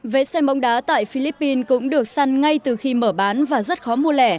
vé xe bóng đá tại philippines cũng được săn ngay từ khi mở bán và rất khó mua lẻ